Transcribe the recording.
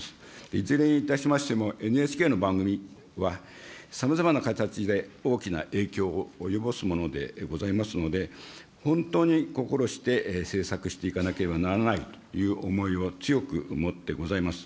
いずれにいたしましても、ＮＨＫの番組は、さまざまな形で大きな影響を及ぼすものでございますので、本当に心して制作していかなければならないという思いを強く持ってございます。